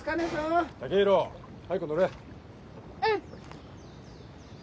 うん。